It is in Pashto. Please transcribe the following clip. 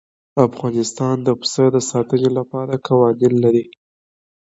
افغانستان د پسه د ساتنې لپاره قوانین لري.